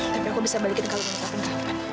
tapi aku bisa balikin kalungnya sepenuhnya